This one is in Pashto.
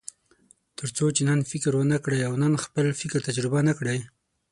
تر څو چې نن فکر ونه کړئ او نن خپل فکر تجربه نه کړئ.